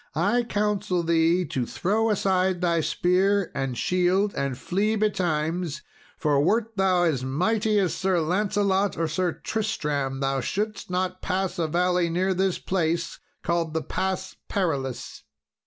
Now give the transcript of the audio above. I counsel thee to throw aside thy spear and shield, and flee betimes, for wert thou as mighty as Sir Lancelot or Sir Tristram, thou shouldest not pass a valley near this place, called the Pass Perilous."